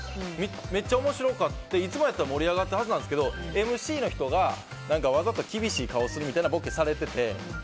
めっちゃ面白くていつもやったら盛り上がったはずなんですけどＣＭの人がわざと厳しい顔をするみたいなボケをされてて。